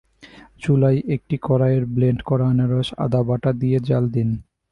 চুলায় একটি কড়াইয়ে ব্লেন্ড করা আনারস আদা বাটা দিয়ে জ্বাল দিন।